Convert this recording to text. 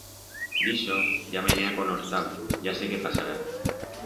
D'ixo, ya me'n he aconhortau, ya sé que pasará.